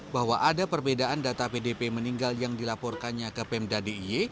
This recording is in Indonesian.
bahwa ada perbedaan data pdp meninggal yang dilaporkannya ke pemda d i y